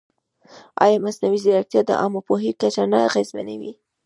ایا مصنوعي ځیرکتیا د عامه پوهاوي کچه نه اغېزمنوي؟